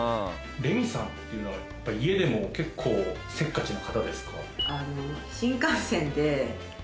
「レミさんっていうのはやっぱり家でも結構せっかちな方ですか？」